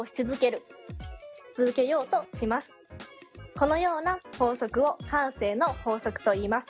このような法則を慣性の法則といいます。